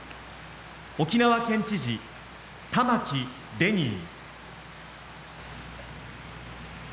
沖縄県知事玉城デニー。